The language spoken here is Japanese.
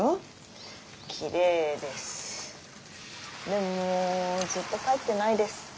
でもずっと帰ってないです。